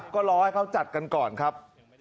ก็รอให้เขาจัดกันก่อนครับ